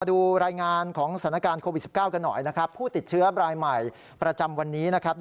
มาดูรายงานของสถานการณ์โควิด๑๙กันหน่อยผู้ติดเชื้อรายใหม่ประจำวันนี้